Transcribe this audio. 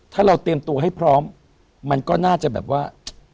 ถ้าเราเตรียมตัวให้พร้อมมันก็น่าจะแบบว่า